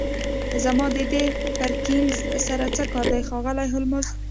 زما د دې پرکینز سره څه کار دی ښاغلی هولمز